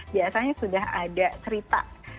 biasanya sudah ada cerita